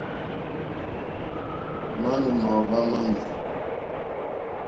Manù màòhva mamì.